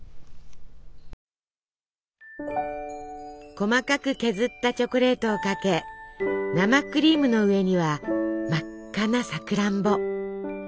細かく削ったチョコレートをかけ生クリームの上には真っ赤なさくらんぼ。